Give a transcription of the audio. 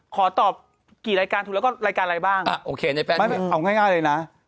ขอตอบกี่รายการถูกแล้วก็รายการอะไรบ้างโอเคในแป๊ไม่เอาง่ายเลยนะ